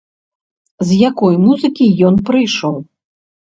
З якой музыкі ён прыйшоў?